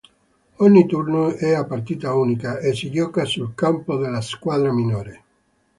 Ogni turno è a partita unica e si gioca sul campo della squadra minore.